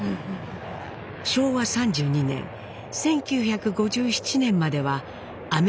昭和３２年１９５７年まではアメリカ空軍のものでした。